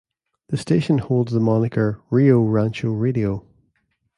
The station holds the moniker "Rio Rancho Radio".